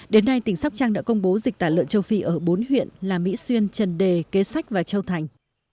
đến nay tỉnh sóc trăng đã công bố dịch tả lợn châu phi ở bốn huyện là mỹ xuyên trần đề kế sách và châu thành